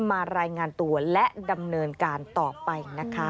มารายงานตัวและดำเนินการต่อไปนะคะ